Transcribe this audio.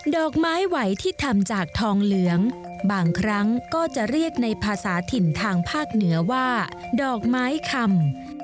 ดอกไม้ไหวที่ทำจากทองเหลืองบางครั้งก็จะเรียกในภาษาถิ่นทางภาคเหนือว่าดอกไม้คำ